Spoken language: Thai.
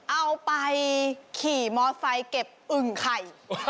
เอาไปขี่มอไซค์เก็บอึ่งไข่